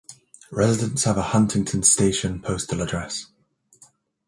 Residents have a Huntington Station postal address.